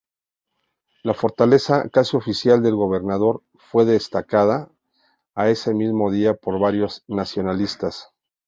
La Fortaleza, casa oficial del gobernador, fue atacada ese mismo día por varios nacionalistas.